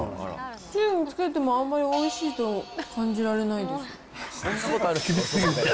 つゆにつけてもあんまりおいしいと感じられないです。